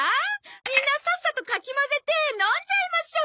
みんなさっさとかき混ぜて飲んじゃいましょう！